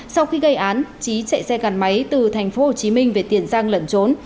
sau khi gây án trí chạy xe gắn máy từ tp hcm về tiền giang lẩn trốn